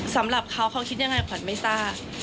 สำหรับเขาเขาคิดยังไงขวัญไม่ทราบ